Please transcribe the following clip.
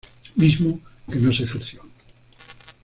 Mismo que no se ejerció.